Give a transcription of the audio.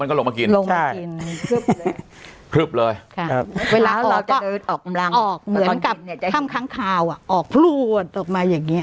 ออกกำลังออกเหมือนกับถ้ำค้างคาวอ่ะออกพลวงอ่ะตกมาอย่างเงี้ย